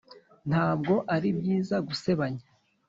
ntabwo ari byiza gusebanya